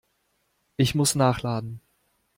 Ich muss nachladen.